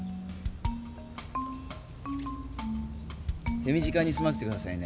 手短にすませて下さいね。